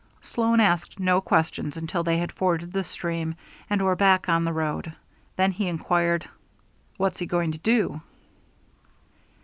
Sloan asked no questions until they had forded the stream and were back on the road. Then he inquired, "What's he going to do?"